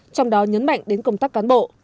trong đó nhấn mạnh đến công tác cán bộ